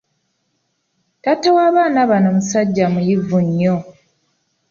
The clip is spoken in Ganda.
Taata w'abaana bano musajja muyivu nnyo.